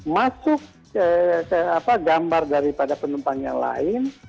masuk gambar daripada penumpang yang lain